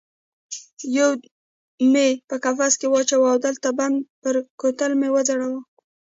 یو مې په قفس کې واچاوه او د لته بند پر کوتل مې وځړاوه.